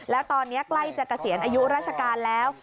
แล้วตอนนี้ใกล้จะเกษียณอายุราชการแล้ว